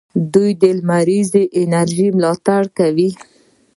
دوی د لمریزې انرژۍ ملاتړ کوي.